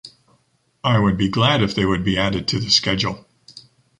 I would be glad if they were added to the schedule.